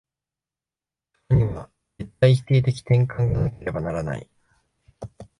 そこには絶対否定的転換がなければならない。